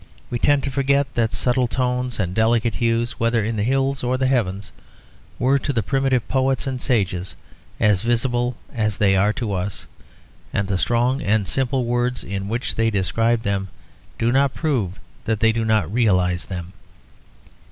We tend to forget that subtle tones and delicate hues, whether in the hills or the heavens, were to the primitive poets and sages as visible as they are to us; and the strong and simple words in which they describe them do not prove that they did not realise them.